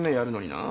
なあ。